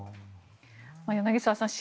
柳澤さん